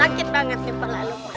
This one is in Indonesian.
sakit banget nih pelalu